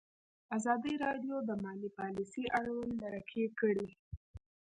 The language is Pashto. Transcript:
ازادي راډیو د مالي پالیسي اړوند مرکې کړي.